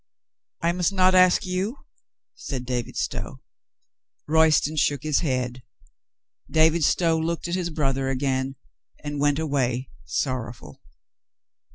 "I must not ask you?" said David Stow. Royston shook his head. David Stow looked at his brother again, and went away sorrowful.